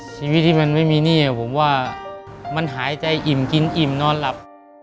ชีวิตที่มันไม่มีหนี้ผมว่ามันหายใจอิ่มกินอิ่มนอนหลับ